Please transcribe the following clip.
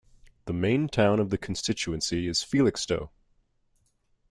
The main town of the constituency is Felixstowe.